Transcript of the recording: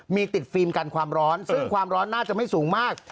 มีติดฟิล์มกันความร้อนซึ่งความร้อนน่าจะไม่สูงมาก